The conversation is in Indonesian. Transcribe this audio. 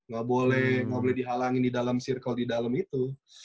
gak boleh gak boleh dihalangi di dalam circle di dalam itu